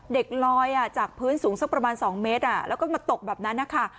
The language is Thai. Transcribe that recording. เด็กลอยอ่ะจากพื้นสูงสักประมาณสองเมตรอ่ะแล้วก็มาตกแบบนั้นค่ะ